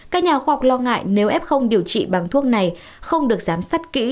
các nhà khoa học lo ngại nếu ép không điều trị bằng thuốc này không được giám sát kỹ